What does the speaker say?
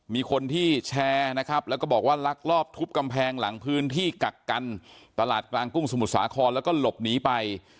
มีคนที่แชร์นะครับแล้วก็บอกว่าลักลอบทุบกำแพงหลังพื้นที่กักกันตลาดกลางกุ้งสมุทรสาครแล้วก็หลบหนีไป